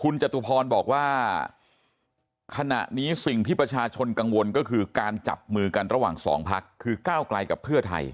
คุณจตุพรบอกว่าขณะนี้สิ่งที่ประชาชนกังวลก็คือการจับมือกันระหว่างสองพักคือก้าวไกลกับเพื่อไทย